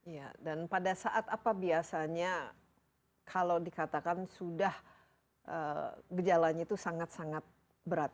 ya dan pada saat apa biasanya kalau dikatakan sudah gejalanya itu sangat sangat berat